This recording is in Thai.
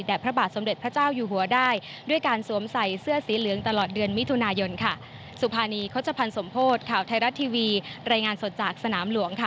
และพระบาทสมเด็จพระเจ้าอยู่หัวได้ด้วยการสวมใส่เสื้อสีเหลืองตลอดเดือนมิถุนายนค่ะ